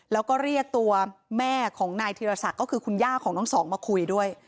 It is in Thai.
แล้วก็เรียกตัวแม่ของนายธีรศักดิ์ก็คือคุณย่าของน้องสองมาคุยด้วย